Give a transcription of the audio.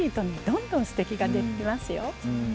どんどんすてきが出てきますよ。